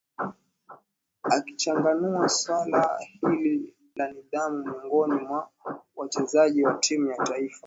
akichanganua swala hili la nidhamu miongoni mwa wachezaji wa timu ya taifa